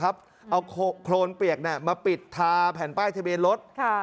เอาโครนเปียกมาปิดทาแผ่นป้ายทะเบียนรถ